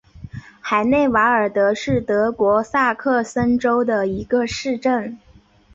海内瓦尔德是德国萨克森州的一个市镇。